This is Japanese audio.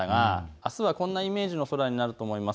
あすはこんなイメージの空になると思います。